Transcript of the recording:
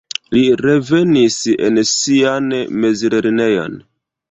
Li revenis en sian mezlernejon.